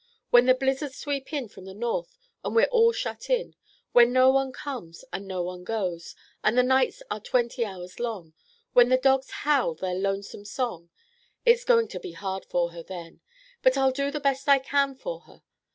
When the blizzards sweep in from the north and we're all shut in; when no one comes and no one goes, and the nights are twenty hours long; when the dogs howl their lonesome song—it's going to be hard for her then. But I'll do the best I can for her.